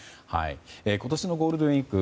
今年のゴールデンウィーク